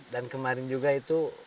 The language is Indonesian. dan kemarin juga itu